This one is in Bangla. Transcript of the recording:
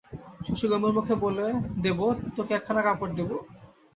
শশী গম্ভীরমুখে বলে, দেব, তোকে একখানা কাপড় দেব।